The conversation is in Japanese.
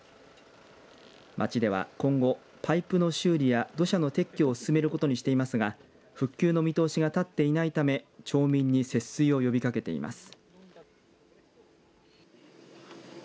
町では、今後パイプの修理や土砂の撤去を進めることにしていますが復旧の見通しが立っていないため町民に節水を呼びかけています。